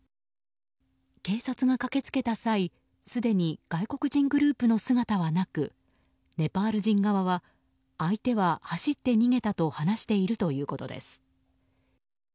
警察が駆けつけた際すでに外国人グループの姿はなくネパール人側は相手は走って逃げたと話しているということです。